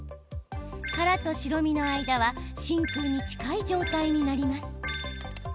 殻と白身の間は真空に近い状態になります。